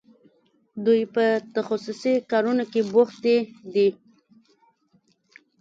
دوی په تخصصي کارونو کې بوختې دي.